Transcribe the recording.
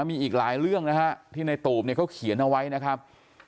มีอีกหลายเรื่องนะฮะที่ในตูบเนี่ยเขาเขียนเอาไว้นะครับ